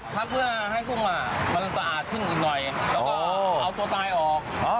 พักเพื่อให้กุ้งมันสะอาดขึ้นอีกหน่อยแล้วก็เอาตัวตายออก